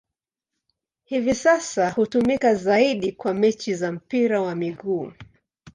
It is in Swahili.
Hivi sasa hutumika zaidi kwa mechi za mpira wa miguu.